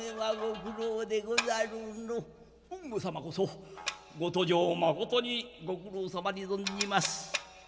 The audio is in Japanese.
「豊後様こそご登城まことにご苦労さまに存じます」。